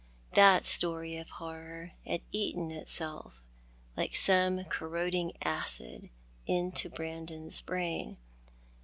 That story of horror had eaten itself, like some corroding acid, into Brandon's brain.